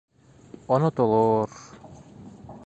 Онотолор...